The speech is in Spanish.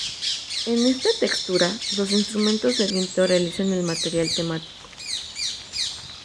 En esta textura los instrumentos de viento realizan el material temático.